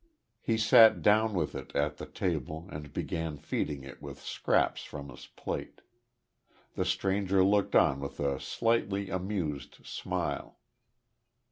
He sat down with it at the table, and began feeding it with scraps from his plate. The stranger looked on with a slightly amused smile.